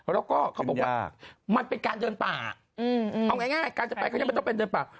แล้วก็เขาบอกว่ามันเป็นการเดินป่าเอาง่ายการจะไปเขายังไม่ต้องเป็นเดินป่า